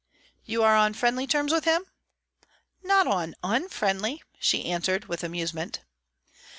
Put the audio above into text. "You are on friendly terms with him?" "Not on _un_friendly," she answered, with amusement.